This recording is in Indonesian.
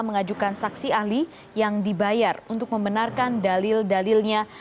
mengajukan saksi ahli yang dibayar untuk membenarkan dalil dalilnya